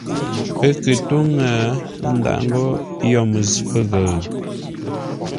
Pə́ kə̂ ntó ńŋə́, ə́ ndǎʼ ńgó yo məzʉ̂ pəghəʉ.